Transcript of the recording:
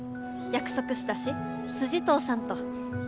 約束したし筋通さんと。